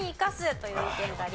という意見がありました。